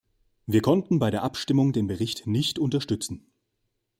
Wir konnten bei der Abstimmung den Bericht nicht unterstützen.